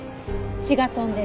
血が飛んでる。